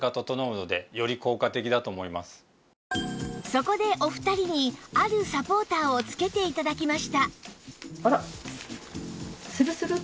そこでお二人にあるサポーターを着けて頂きました